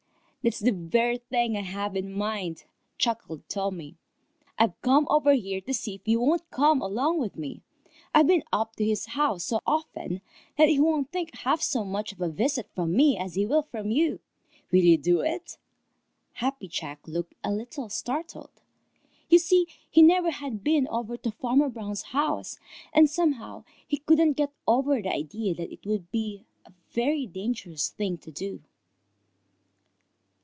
"That's the very thing I have in mind," chuckled Tommy. "I've come over here to see if you won't come along with me. I've been up to his house so often that he won't think half so much of a visit from me as he will from you. Will you do it?" Happy Jack looked a little startled. You see, he never had been over to Farmer Brown's house, and somehow he couldn't get over the idea that it would be a very dangerous thing to do.